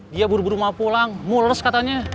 dia buru buru mau pulang mules katanya